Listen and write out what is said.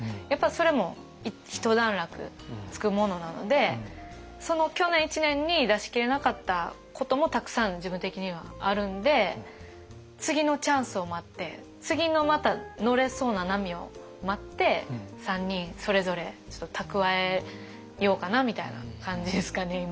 やっぱそれも一段落つくものなのでその去年１年に出し切れなかったこともたくさん自分的にはあるんで次のチャンスを待って次のまた乗れそうな波を待って３人それぞれちょっと蓄えようかなみたいな感じですかね